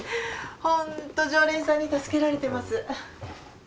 ホント常連さんに助けられてます。